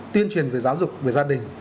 tuyên truyền về giáo dục về gia đình